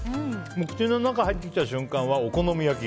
口の中に入ってきた瞬間はお好み焼き。